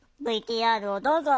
ＶＴＲをどうぞ。